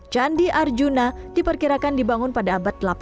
candi arjuna diperkirakan dibangun pada abad delapan belas